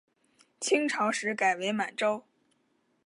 清朝时改为满洲。